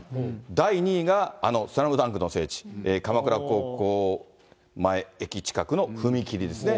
第２位があのスラムダンクの聖地、鎌倉高校前駅近くの踏切ですね。